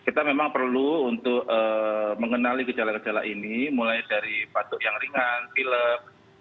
kita memang perlu untuk mengenali gejala gejala ini mulai dari batuk yang ringan pilek